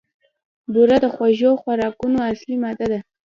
بوره د خوږو خوراکونو اصلي ماده ده.